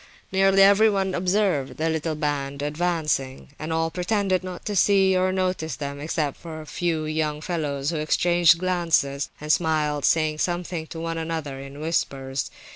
Nearly everyone observed the little band advancing, and all pretended not to see or notice them, except a few young fellows who exchanged glances and smiled, saying something to one another in whispers.